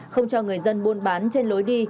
không cho người dân buôn bán trên lối đi